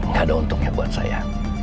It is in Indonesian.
gak ada untungnya buat saya